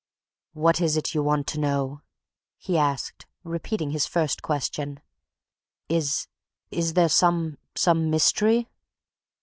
"What is it you want to know?" he asked, repeating his first question. "Is is there some some mystery?"